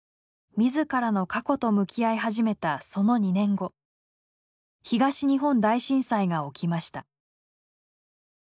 自らの過去と向き合い始めたその２年後東日本大震災が起きました。